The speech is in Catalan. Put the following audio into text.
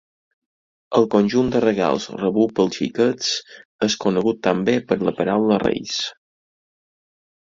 El conjunt de regals rebut pels xiquets és conegut també per la paraula ‘reis’.